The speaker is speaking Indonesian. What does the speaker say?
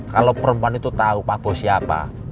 kalau perempuan itu tahu pak bos siapa